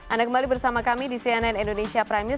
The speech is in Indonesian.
anda kembali bersama kami di cnn indonesia prime news